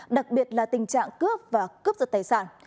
đặc biệt là tình trạng cướp và cướp giật tài sản